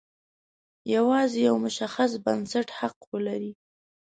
یوازې یو مشخص بنسټ حق ولري.